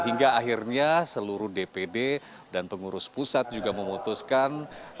hingga akhirnya seluruh dpd dan pengurus pusat juga memutuskan